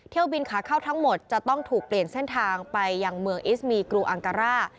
บินขาเข้าทั้งหมดจะต้องถูกเปลี่ยนเส้นทางไปยังเมืองอิสมีกรูอังการ่า